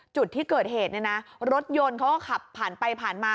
จุดที่เกิดเหตุเนี่ยนะรถยนต์เขาก็ขับผ่านไปผ่านมา